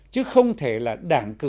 chứ không thể là những nhà dân chủ